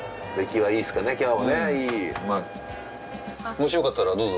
もしよかったらどうぞ。